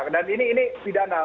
dan ini ini tidak anal